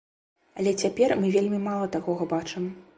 Але цяпер мы вельмі мала такога бачым.